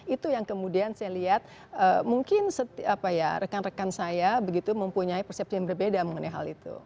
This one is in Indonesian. itu yang kemudian saya lihat mungkin rekan rekan saya begitu mempunyai persepsi yang berbeda mengenai hal itu